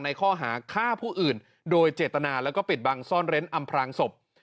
ในข้อหาฆ่าผู้อื่นโดยเจตนาแล้วก็ปิดบังซ่อนเร้นอำพลางศพ